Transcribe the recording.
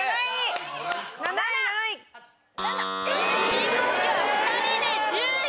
信号機は２人で１０位